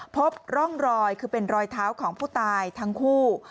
พบร่องรอยคือเป็นรอยเท้าของผู้ตายทั้งคู่